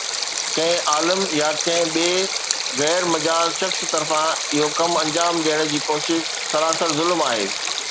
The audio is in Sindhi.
ڪنهن عالم يا ڪنهن ٻئي غير مجاز شخص طرفان اهو ڪم انجام ڏيڻ جي ڪوشش سراسر ظلم آهي.